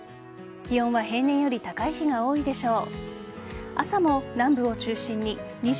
気温は平年より高い日が多いでしょう。